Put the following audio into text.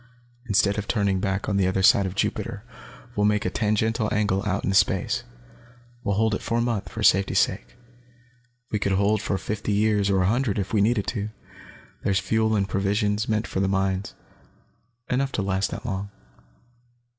Instead of turning back on the other side of Jupiter, we'll make a tangential angle out into space. We'll hold it for a month, for safety's sake. We could hold for fifty years, or a hundred, if we needed to. There's fuel and provisions, meant for the mines, enough to last that long.